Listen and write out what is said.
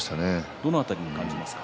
どの辺りで感じますか？